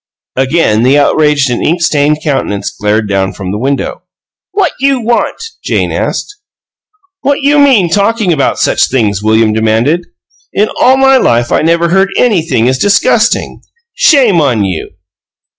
Again the outraged and ink stained countenance glared down from the window. "What you want?" Jane asked. "What you MEAN talking about such things?" William demanded. "In all my life I never heard anything as disgusting! Shame on you!"